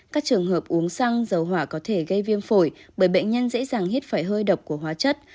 các trường hợp uống xăng dầu hỏa có thể gây viêm phổi bởi bệnh nhân dễ dàng hít phải hơi độc của hóa chất